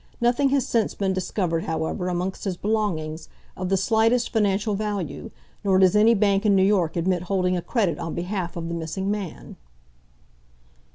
Nothing has since been discovered, however, amongst his belongings, of the slightest financial value, nor does any bank in New York admit holding a credit on behalf of the missing man.